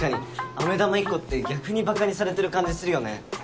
飴玉１個って逆にばかにされてる感じするよね。